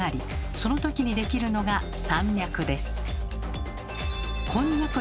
そのときにできるのが山脈です。